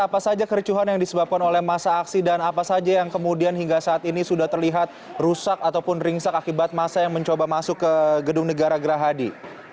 apa saja kericuhan yang disebabkan oleh masa aksi dan apa saja yang kemudian hingga saat ini sudah terlihat rusak ataupun ringsak akibat masa yang mencoba masuk ke gedung negara gerahadi